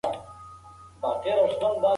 پوټکی باید ونه سوځي.